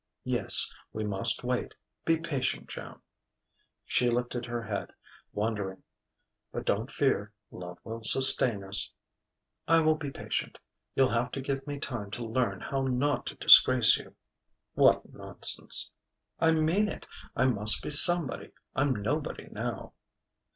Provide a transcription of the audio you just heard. "Yes, we must wait be patient, Joan." She lifted her head, wondering. "But don't fear; love will sustain us." "I will be patient. You'll have to give me time to learn how not to disgrace you " "What nonsense!" "I mean it. I must be somebody. I'm nobody now."